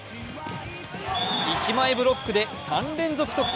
一枚ブロックで３連続得点。